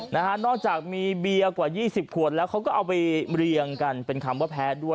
นอกจากมีเบียร์กว่ายี่สิบขวดแล้วเขาก็เอาไปเรียงกันเป็นคำว่าแพ้ด้วย